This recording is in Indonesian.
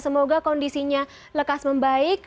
semoga kondisinya lekas membaik